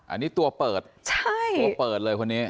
อันนี้ตัวเปิดใช่ตัวเปิดเลยคนนี้